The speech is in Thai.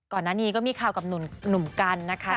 ก่อนหน้านี้ก็มีข่าวกับหนุ่มกันนะคะ